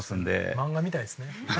漫画みたいですね。